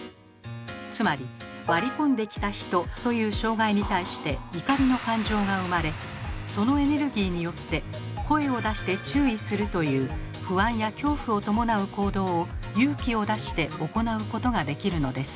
つまり「割り込んできた人」という障害に対して怒りの感情が生まれそのエネルギーによって「声を出して注意する」という不安や恐怖を伴う行動を勇気を出して行うことができるのです。